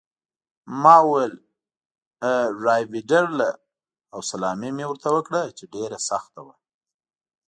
ما وویل: 'A rivederla' او سلامي مې ورته وکړه چې ډېره سخته وه.